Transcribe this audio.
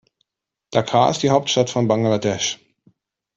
Dhaka ist die Hauptstadt von Bangladesch.